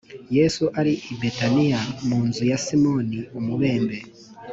yesu ari i betaniya mu nzu ya simoni umubembe